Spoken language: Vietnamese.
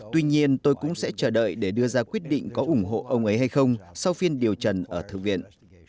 tuy nhiên tôi cũng sẽ chờ đợi để đưa ra quyết định có ủng hộ ông ấy hay không sau phiên điều trần ở thư viện